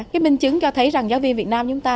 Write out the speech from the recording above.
cái minh chứng cho thấy rằng giáo viên việt nam chúng ta